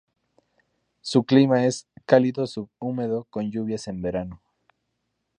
Su clima es cálido-subhúmedo con lluvias en verano.